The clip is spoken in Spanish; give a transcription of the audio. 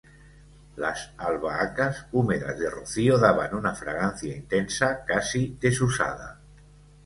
las albahacas, húmedas de rocío, daban una fragancia intensa, casi desusada